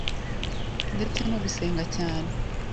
ndetse no gusenga cyane